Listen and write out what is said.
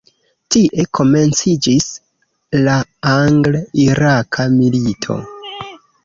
Tie komenciĝis la Angl-Iraka Milito.